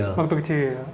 waktu kecil ya